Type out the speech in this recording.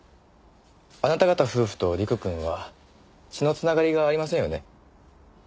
あなた方夫婦と陸くんは血の繋がりがありませんよね。